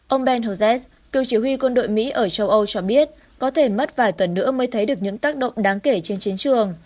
ông ben hose cựu chỉ huy quân đội mỹ ở châu âu cho biết có thể mất vài tuần nữa mới thấy được những tác động đáng kể trên chiến trường